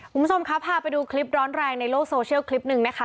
คุณผู้ชมครับพาไปดูคลิปร้อนแรงในโลกโซเชียลคลิปหนึ่งนะคะ